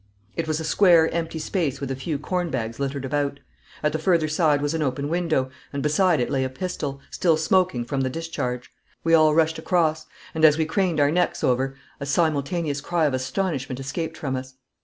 It was a square empty space with a few corn bags littered about. At the further side was an open window, and beside it lay a pistol, still smoking from the discharge. We all rushed across, and, as we craned our heads over, a simultaneous cry of astonishment escaped from us.